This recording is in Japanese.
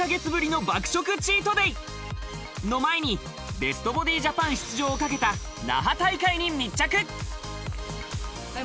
の前に、ベストボディジャパン出場を懸けた那覇大会に密着。